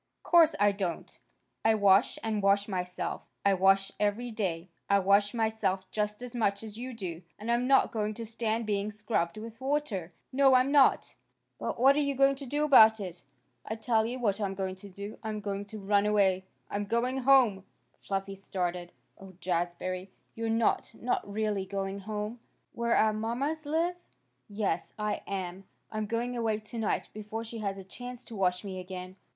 "Course I don't. I wash and wash myself. I wash every day. I wash myself just as much as you do. And I'm not going to stand being scrubbed with water. No, I'm not." "But what are you going to do about it?" "I'll tell you what I'm going to do. I'm going to run away. I'm going home!" Fluffy started. "Oh, Jazbury! You're not not really going home? Where our mommas live?" "Yes, I am. I'm going away tonight before she has a chance to wash me again."